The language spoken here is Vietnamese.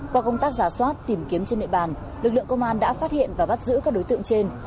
qua công tác giả soát tìm kiếm trên địa bàn lực lượng công an đã phát hiện và bắt giữ các đối tượng trên